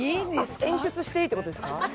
演出していいということですか。